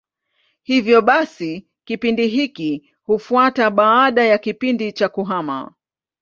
Hivyo basi kipindi hiki hufuata baada ya kipindi cha kuhama.